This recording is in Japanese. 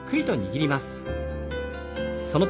はい。